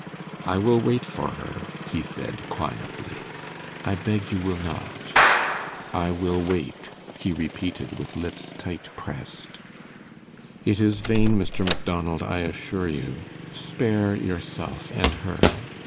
"I will wait for her," he said, quietly. "I beg you will not." "I will wait," he repeated, with lips tight pressed. "It is vain, Mr. Macdonald, I assure you. Spare yourself and her.